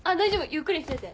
ゆっくりしてて。